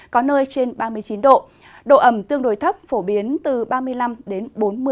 có nơi trên ba mươi chín độ độ ẩm tương đối thấp phổ biến từ ba mươi năm đến bốn mươi